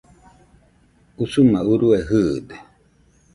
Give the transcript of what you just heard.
Usuma urue jɨɨde